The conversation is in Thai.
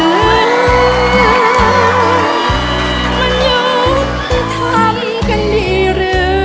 มันหยุดต้องทำกันนี้หรือ